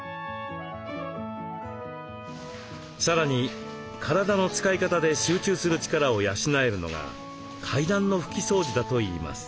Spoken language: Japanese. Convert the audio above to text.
さらに体の使い方で集中する力を養えるのが階段の拭き掃除だといいます。